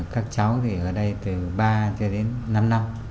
các cháu ở đây từ ba đến năm năm